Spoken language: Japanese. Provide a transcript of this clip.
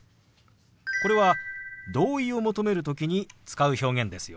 これは同意を求める時に使う表現ですよ。